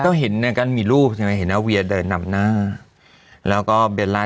ก็เห็นกันมีรูปใช่ไหมเห็นว่าเวียเดินด้านหน้าแล้วก็เบลลา